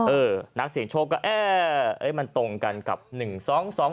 เออนักเสี่ยงโชคก็เอร์เอ็ดมันตรงกันกับหนึ่งสองสอง